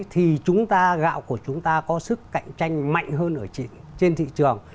thì chúng ta gạo của chúng ta có sức cạnh tranh mạnh hơn trên thị trường